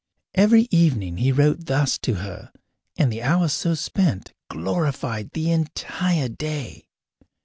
Every evening he wrote thus to her, and the hour so spent glorified the entire day.